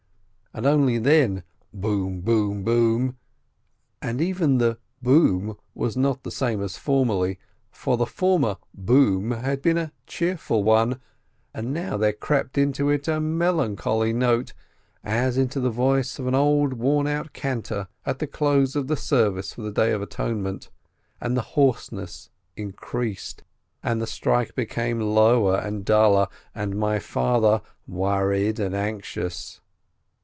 . and only then: bom !— bom !— bom !— and even the "bom" was not the same as formerly, for the former "bom" had been a cheerful one, and now there had crept into it a melan choly note, as into the voice of an old worn out cantor at the close of the service for the Day of Atonement, and the hoarseness increased, and the strike became lower and duller, and my father, worried and anxious.